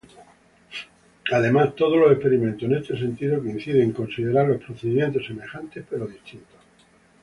Además todos los experimentos en este sentido coinciden en considerarlos procedimientos semejantes, pero distintos.